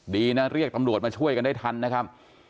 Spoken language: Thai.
ดีนะเรียกตำรวจมาช่วยกันได้ทันนะครับ